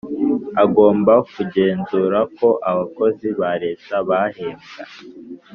Agomba kugenzura ko abakozi ba Leta bahembwa